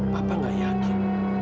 papa gak yakin